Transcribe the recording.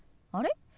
あれ？